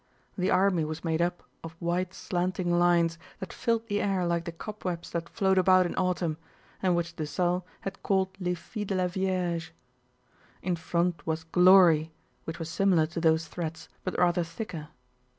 The army was made up of white slanting lines that filled the air like the cobwebs that float about in autumn and which Dessalles called les fils de la Vièrge. In front was Glory, which was similar to those threads but rather thicker.